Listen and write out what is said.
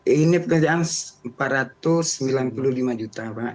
ini pekerjaan empat ratus sembilan puluh lima juta pak